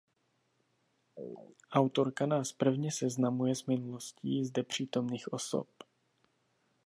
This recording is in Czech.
Autorka nás prvně seznamuje s minulostí zde přítomných osob.